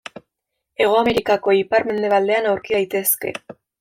Hego Amerikako ipar-mendebaldean aurki daitezke.